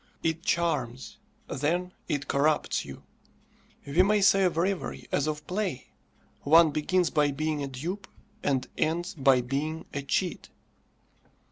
It charms; then it corrupts you. We may say of reverie as of play, one begins by being a dupe, and ends by being a cheat.